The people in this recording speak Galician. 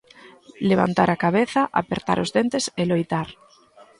Levantar a cabeza, apertar os dentes e loitar.